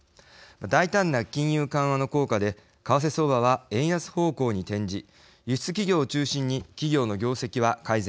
大胆な金融緩和の効果で為替相場は円安方向に転じ輸出企業を中心に企業の業績は改善。